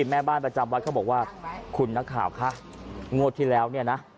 ไปจำวัดเขาบอกว่าคุณนักข่าวค่ะงวดที่แล้วนี่นะ